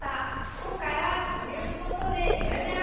今回はということでジャジャーン！